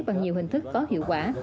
bằng nhiều hình thức có hiệu quả